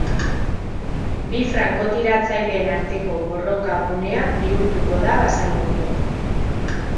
Bi frankotiratzaileen arteko borroka gunea bihurtuko da basamortua.